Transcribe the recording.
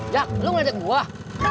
cak lo mau ngajak buah